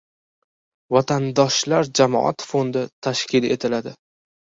"Vatandoshlar" jamoat fondi tashkil etiladi